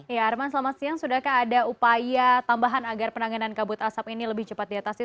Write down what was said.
ya arman selamat siang sudahkah ada upaya tambahan agar penanganan kabut asap ini lebih cepat diatasi